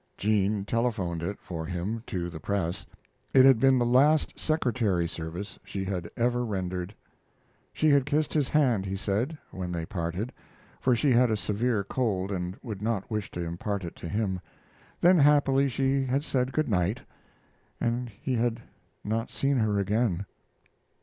Jean telephoned it for him to the press. It had been the last secretary service she had ever rendered. She had kissed his hand, he said, when they parted, for she had a severe cold and would not wish to impart it to him; then happily she had said good night, and he had not seen her again.